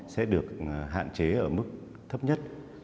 sẽ được hạn chế ở mức thấp nhất